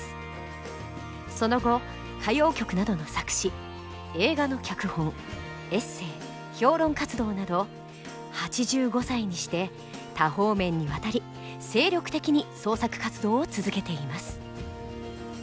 その後歌謡曲などの作詞映画の脚本エッセー評論活動など８５歳にして多方面にわたり精力的に創作活動を続けています。